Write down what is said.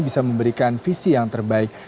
bisa memberikan visi yang terbaik